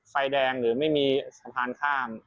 ไฟแดงหรือไม่มีสะพานข้าม